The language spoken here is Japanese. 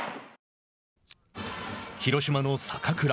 広島の坂倉。